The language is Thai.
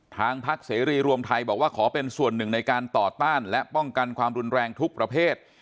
ทางพักเสรีรวมไทยบอกว่าขอเป็นส่วนหนึ่งในการต่อต้านและป้องกันความรุนแรงทุกประเภท